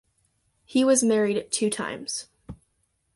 He was married two times.